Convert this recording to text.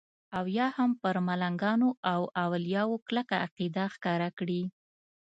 او یا هم پر ملنګانو او اولیاو کلکه عقیده ښکاره کړي.